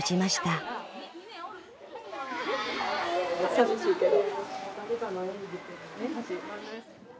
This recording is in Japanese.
寂しいけど。